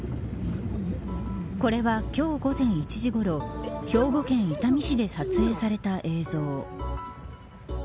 これは、今日午前１時ごろ兵庫県伊丹市で撮影された映像。